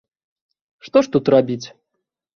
Што ж тут рабіць?